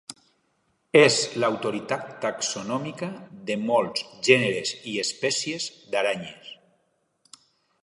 És l'autoritat taxonòmica de molts gèneres i espècies d'aranyes.